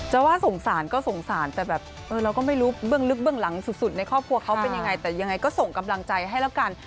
ว่าสงสารก็สงสารแต่แบบเราก็ไม่รู้เบื้องลึกเบื้องหลังสุดในครอบครัวเขาเป็นยังไงแต่ยังไงก็ส่งกำลังใจให้แล้วกัน